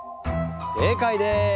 正解です！